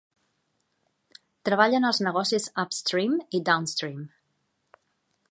Treballa en els negocis Upstream i Downstream.